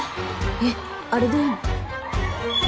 えっあれでいいの？